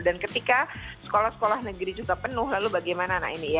dan ketika sekolah sekolah negeri juga penuh lalu bagaimana anak ini